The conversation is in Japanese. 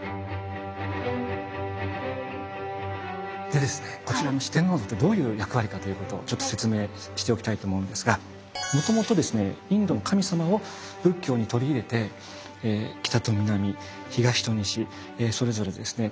でですねこちらの四天王像ってどういう役割かということをちょっと説明しておきたいと思うんですがもともとですねインドの神様を仏教に取り入れて北と南東と西それぞれですね